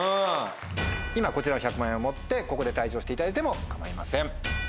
今こちらの１００万円を持ってここで退場していただいても構いません。